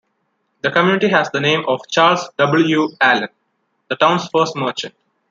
The community has the name of Charles W. Allen, the town's first merchant.